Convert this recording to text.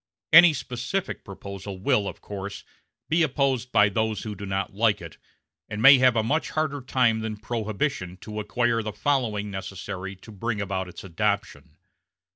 Any specific proposal will, of course, be opposed by those who do not like it, and may have a much harder time than Prohibition to acquire the following necessary to bring about its adoption.